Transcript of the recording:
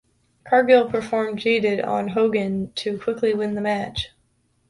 Cargill performed "Jaded" on Hogan to quickly win the match.